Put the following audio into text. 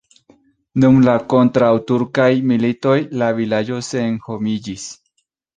Dum la kontraŭturkaj militoj la vilaĝo senhomiĝis.